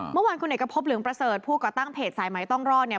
เมื่อวานคุณเอกพบเหลืองประเสริฐผู้ก่อตั้งเพจสายไหมต้องรอดเนี่ย